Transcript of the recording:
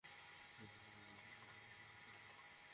পুরো ব্যাপারটায় আমার বিরক্ত লাগছে।